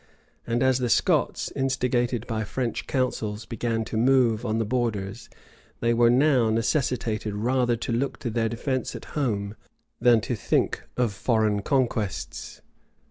And as the Scots, instigated by French counsels, began to move on the borders, they were now necessitated rather to look to their defence at home, than to think of foreign conquests.